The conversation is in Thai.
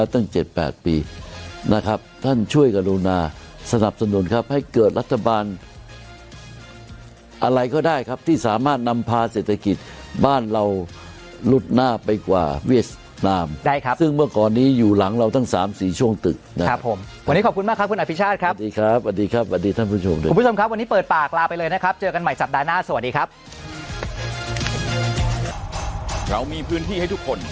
ตั้ง๗๘ปีนะครับท่านช่วยกับลูนาสนับสนุนครับให้เกิดรัฐบาลอะไรก็ได้ครับที่สามารถนำพาเศรษฐกิจบ้านเรารุดหน้าไปกว่าเวียดสนามได้ครับซึ่งเมื่อก่อนนี้อยู่หลังเราตั้ง๓๔ช่วงตึกนะครับผมวันนี้ขอบคุณมากครับคุณอฟิชาติครับดีครับวันนี้เปิดปากลาไปเลยนะครับเจอกันใหม่สัปดาห์หน้าสวัสดีคร